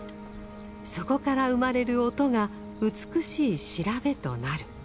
そこから生まれる音が美しい調べとなる。